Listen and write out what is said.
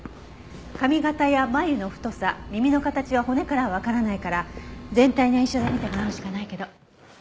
髪形や眉の太さ耳の形は骨からはわからないから全体の印象で見てもらうしかないけど。